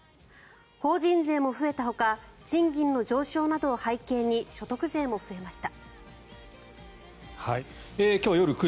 法人税も増えたほか賃金の上昇などを背景に所得税も増えました。